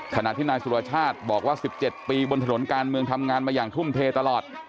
ขณะที่นายสุรชาติบอกว่า๑๗ปีบนถนนการเมืองทำงานมาอย่างทุ่มเทตลอด